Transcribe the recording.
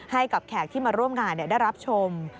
ให้กับแขกที่มาร่วมงานได้รับชม